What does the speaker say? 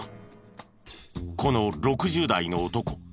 この６０代の男